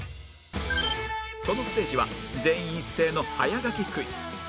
このステージは全員一斉の早書きクイズ